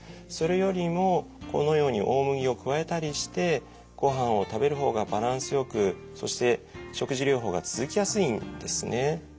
それよりもこのように大麦を加えたりしてご飯を食べる方がバランスよくそして食事療法が続きやすいんですね。